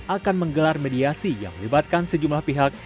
akan menggelar mediasi yang melibatkan sejumlah pihak